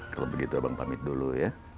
kalau begitu abang pamit dulu ya